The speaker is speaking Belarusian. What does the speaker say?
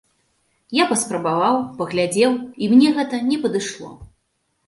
Я паспрабаваў, паглядзеў, і мне гэта не падышло.